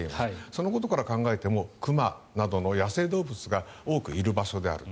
そのことから考えても熊などの野生動物が多くいる場所である。